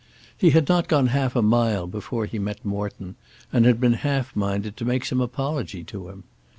He had not gone half a mile before he met Morton, and had been half minded to make some apology to him.